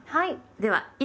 はい。